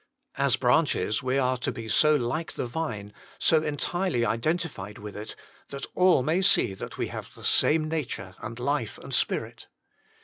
As branches we are to be so like the Vine, so entirely identified with it, that all may see that we have the same nature, and life, and spirit.